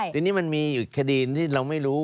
ทีนี้มันมีอยู่คดีที่เราไม่รู้